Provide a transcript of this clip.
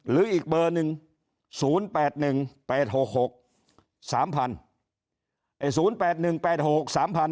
๑๔๔๑หรืออีกเบอร์หนึ่ง